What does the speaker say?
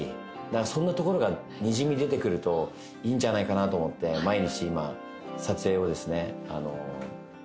そんなところがにじみ出てくるといいんじゃないかなと思って毎日今撮影をですね４人でね頑張ってますね。